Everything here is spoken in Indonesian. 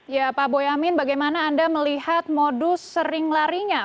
ya pak boyamin bagaimana anda melihat modus sering larinya